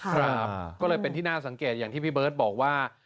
ครับก็เลยเป็นที่น่าสังเกตอย่างที่พี่เบิร์ตบอกว่า